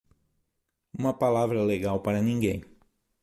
Uma palavra legal para ninguém.